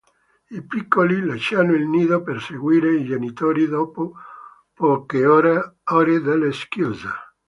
I piccoli lasciano il nido per seguire i genitori dopo poche ore dalla schiusa.